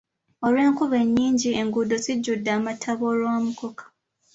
Olw'enkuba ennyingi, enguudo zijjudde amataba olwa mukoka.